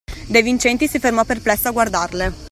De Vincenti si fermò perplesso a guardarle.